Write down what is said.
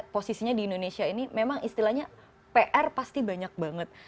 posisinya di indonesia ini memang istilahnya pr pasti banyak banget